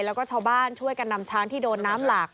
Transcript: แล้วก็ชาวบ้านช่วยกันนำช้างที่โดนน้ำหลาก